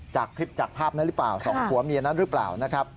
จากคลิปจากภาพนั้นหรือเปล่าสองผัวเมียนั้นหรือเปล่านะครับ